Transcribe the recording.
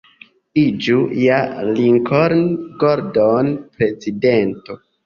Iĝu ja Lincoln Gordon prezidento!